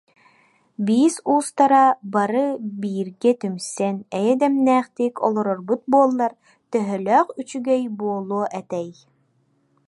Биис уустара бары бииргэ түмсэн, эйэ дэмнээхтик олорорбут буоллар, төһөлөөх үчүгэй буолуо этэй